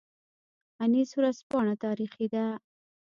انیس ورځپاڼه تاریخي ده